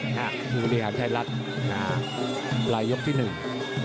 ไหล่ยกที่หนึ่ง